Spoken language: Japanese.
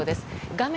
画面